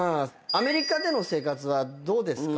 アメリカでの生活はどうですか？